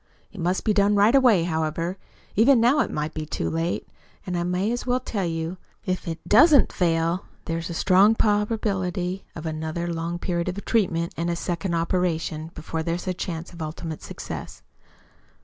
It must be done right away, however. Even now it may be too late. And I may as well tell you, if it DOESN'T fail there is a strong probability of another long period of treatment and a second operation, before there's a chance of ultimate success!"